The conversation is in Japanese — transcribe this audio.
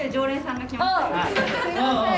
すいません